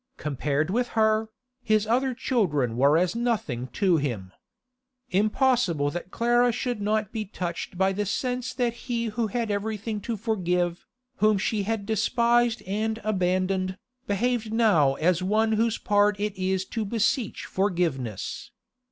Compared with her, his other children were as nothing to him. Impossible that Clara should not be touched by the sense that he who had everything to forgive, whom she had despised and abandoned, behaved now as one whose part it is to beseech forgiveness.